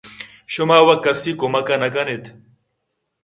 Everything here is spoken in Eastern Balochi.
شما وَ کَسی کُمک نہ کن اِت